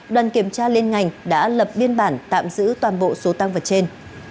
đoàn kiểm tra liên ngành đã lập biên bản tạm giữ toàn bộ số tăng vật trên